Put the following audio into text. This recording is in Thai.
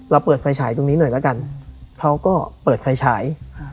เปิดไฟฉายตรงนี้หน่อยละกันเขาก็เปิดไฟฉาย